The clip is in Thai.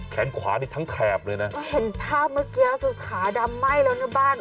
แขนขวานี่ทั้งแถบเลยนะก็เห็นภาพเมื่อกี้คือขาดำไหม้แล้วนะบ้าน